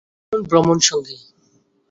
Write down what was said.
দারুণ ভ্রমণসঙ্গী।